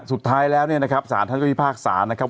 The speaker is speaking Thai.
สุดท้ายแล้วเนี่ยนะครับศาลท่านที่ภาคศาลนะครับ